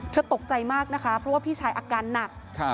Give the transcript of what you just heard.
ตกใจมากนะคะเพราะว่าพี่ชายอาการหนัก